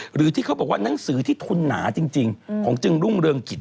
หรือที่เขาบอกว่านังสือที่ทุนหนาจริง